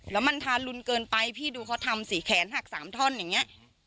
แล้วมันทารุนเกินไปพี่ดูเขาทำสี่แขนหัก๓ท่อนอย่างนี้